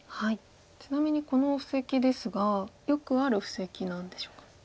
ちなみにこの布石ですがよくある布石なんでしょうか。